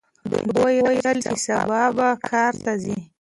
دوی وویل چې سبا به ښار ته ځي.